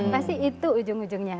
pasti itu ujung ujungnya